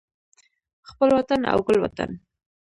خپل وطن او ګل وطن